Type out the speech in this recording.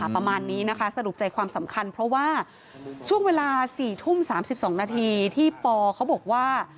ประมาณนี้นะคะสรุปใจความสำคัญเพราะว่าช่วงเวลา๔ทุ่ม๓๒นาทีที่ปเขาบอกว่า